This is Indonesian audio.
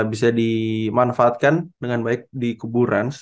bisa dimanfaatkan dengan baik di kubur rans